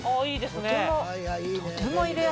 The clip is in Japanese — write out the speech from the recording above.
いいですね。